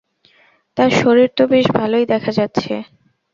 তা, শরীর তো বেশ ভালোই দেখা যাচ্ছে।